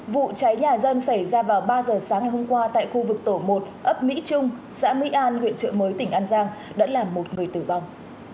vụ cháy nhà dân xảy ra vào ba giờ sáng ngày hôm qua tại khu vực tổ một ấp mỹ trung xã mỹ an huyện trợ mới tỉnh an giang đã làm một người tử vong